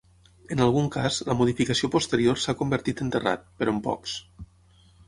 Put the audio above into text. En algun cas, la modificació posterior s'ha convertit en terrat, però en pocs.